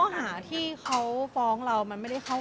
ก็ในข้อหาที่เขาฟ้องเรามันไม่ได้เข้าข่าย